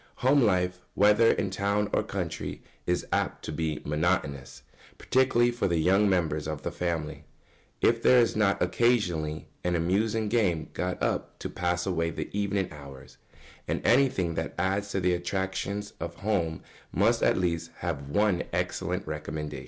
] Home life, whether in town or country, is apt to become monotonous, particularly for the young members of the family, if there is not occasionally an amusing game got up to pass away the evening hours, and anything that adds to the attractions of home must at least have one excellent recommendation.